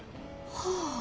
はあ。